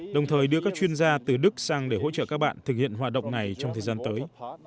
đồng thời đưa các chuyên gia từ đức sang để hỗ trợ các bạn thực hiện hoạt động này trong thời gian tới